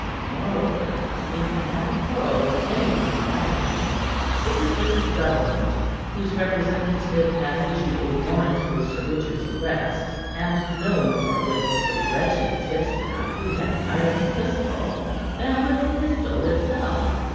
Moreover, if he had a quarrel with any one on that account, it was with the government whose representative had issued the warrant for Sir Richard's arrest, and no more with the wretched tipstaff who had fired the pistol than with the pistol itself.